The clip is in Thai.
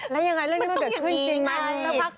แล้วยังไงเรื่องนี้มันเกิดขึ้นจริงไหม